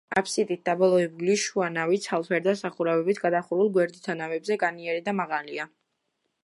აფსიდით დაბოლოებული შუა ნავი ცალფერდა სახურავებით გადახურულ გვერდითა ნავებზე განიერი და მაღალია.